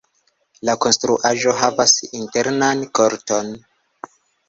La konstruaĵo havas internan korton.